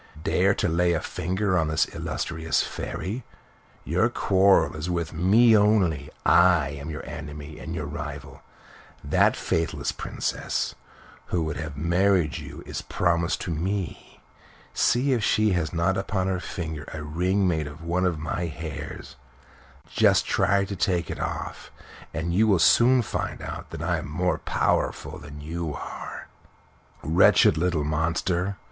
"Dare to lay a finger upon this illustrious Fairy! Your quarrel is with me only. I am your enemy and your rival. That faithless Princess who would have married you is promised to me. See if she has not upon her finger a ring made of one of my hairs. Just try to take it off, and you will soon find out that I am more powerful than you are!" "Wretched little monster!"